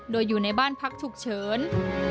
โดยอยู่ในบ้านพักฉุกเฉิน